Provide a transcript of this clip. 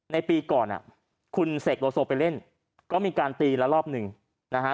ในปีก่อนคุณเสกโลโซไปเล่นก็มีการตีละรอบหนึ่งนะฮะ